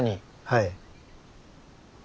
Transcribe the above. はい。